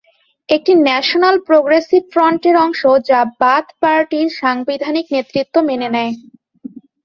একটি national progressive ফ্রন্টের অংশ যা বাথ পার্টির সাংবিধানিক নেতৃত্ব মেনে নেয়।